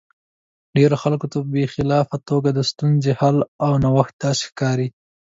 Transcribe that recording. ډېرو خلکو ته په خلاقه توګه د ستونزې حل او نوښت داسې ښکاري.